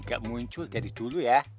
gak muncul dari dulu ya